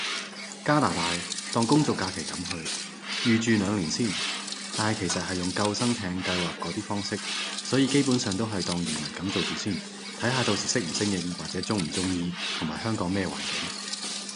加拿大，當工作假期噉去，預住兩年先，但係其實係用救生艇計劃嗰啲方式，所以基本上都係當移民噉做住先，睇下到時適唔適應，或者中唔中意，同埋香港咩環境